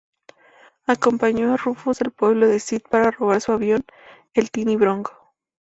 Acompañó a Rufus al Pueblo de Cid para robar su avión, el "Tiny Bronco".